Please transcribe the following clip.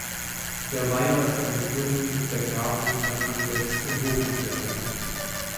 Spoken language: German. Der Weiler ist eine Gründung der Grafen von Andechs im Hochmittelalter.